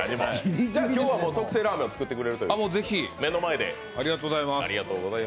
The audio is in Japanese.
今日は特製ラーメンを作ってくれるという。